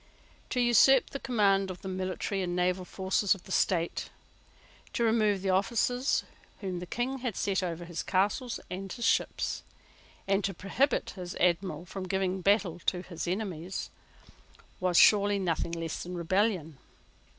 To usurp the command of the military and naval forces of the state, to remove the officers whom the King had set over his castles and his ships, and to prohibit his Admiral from giving battle to his enemies, was surely nothing less than rebellion.